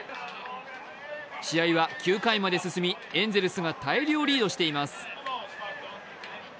試合は９回まで進みエンゼルスが大量リードしています。